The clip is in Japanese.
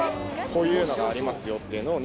こういうのがありますよっていうのを。